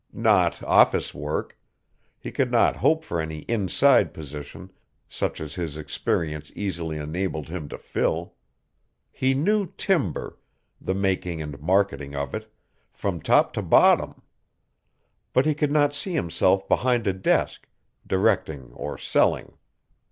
Not office work; he could not hope for any inside position such as his experience easily enabled him to fill. He knew timber, the making and marketing of it, from top to bottom. But he could not see himself behind a desk, directing or selling.